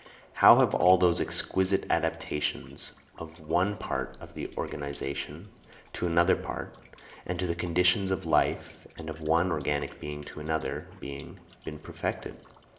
How have all those exquisite adaptations of one part of the organisation to another part, and to the conditions of life and of one organic being to another being, been perfected?